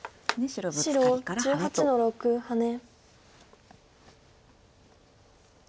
白１８の六ハネ。